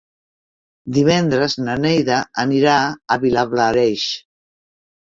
Divendres na Neida anirà a Vilablareix.